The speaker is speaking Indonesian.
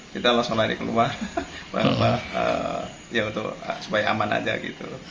kita langsung lari keluar ya untuk supaya aman aja gitu